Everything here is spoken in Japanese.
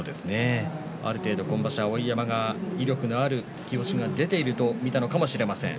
ある程度、今場所は碧山が威力のある突き押しが出ていると見たのかもしれません。